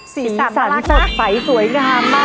สีสันสดใสสวยงามมาก